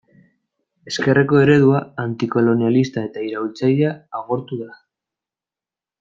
Ezkerreko eredua, antikolonialista eta iraultzailea agortu da.